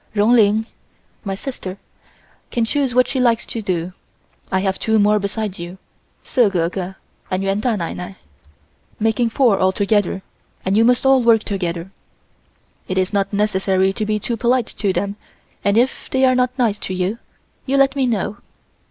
Roon Ling (my sister) can choose what she likes to do. I have two more besides you, Sze Gurgur and Yuen Da Nai Nai, making four altogether and you must all work together. It is not necessary to be too polite to them and if they are not nice to you, you let me know."